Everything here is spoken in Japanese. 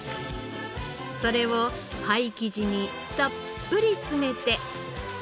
それをパイ生地にたっぷり詰めて。